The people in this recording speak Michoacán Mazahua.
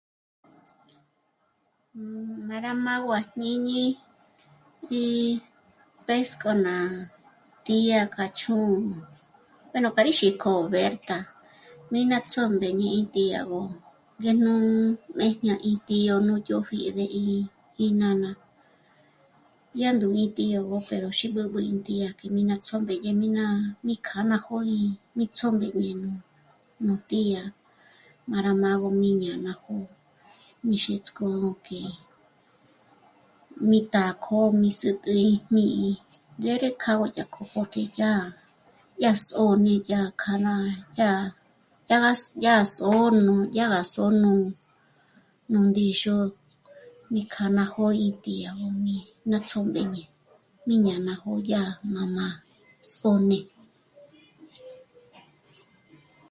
Má rá má'agö à jñíñi, gí pésk'o ná tía k'a chjú'u pero pe rí xík'o e Bertha, mí ná ts'ómbéñe ín tíagö ngé nú mbéjña í tío nú dyö̌pji yó de í nána, dyá ndú'u ín tíogö pero xí b'ǚb'ü ín tía k'e mi ná ts'ómbéñe mí ná k'a ná jó'o í mí t'sómbéñe nú, nú tía, má rá má'agö mí ñâ'a ná jó'o mí xítsk'o k'e mí tá'a k'o, mí sä̀t'äji jñí'i, ndére k'â'agö dyá k'o porque yá, yá sôn'i yá k'a ná yá, dyá gá s..., dyá gá só'o nú, dyá gá só'o nú, nú ndíxu mí kjâ'a ná jó'o ín tíagö mí ná ts'ómbeñe. Mí dyá ná jó'o yá mamá sô'n'e